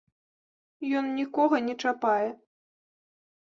Ён нікога не чапае.